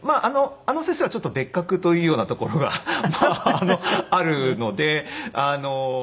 あの先生はちょっと別格というようなところがあるので。